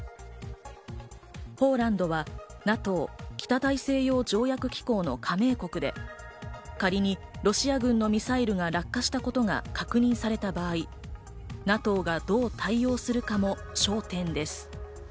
ポーランドはＮＡＴＯ＝北大西洋条約機構の加盟国で仮にロシア軍のミサイルが落下したことが確認された場合、ＮＡＴＯがどう対応するかも焦点です。